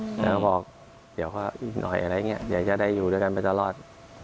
แล้วก็บอกเดี๋ยวเขาอีกหน่อยอะไรอย่างนี้อยากจะได้อยู่ด้วยกันไปตลอด